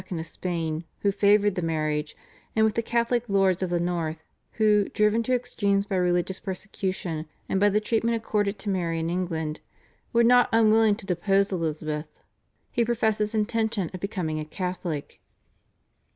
of Spain, who favoured the marriage, and with the Catholic lords of the north, who, driven to extremes by religious persecution and by the treatment accorded to Mary in England, were not unwilling to depose Elizabeth, he professed his intention of becoming a Catholic.